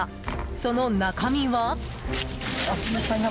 その中身は。